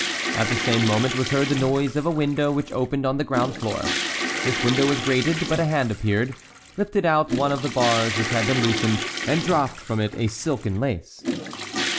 At the same moment was heard the noise of a window which opened on the ground floor. This window was grated, but a hand appeared, lifted out one of the bars which had been loosened, and dropped from it a silken lace.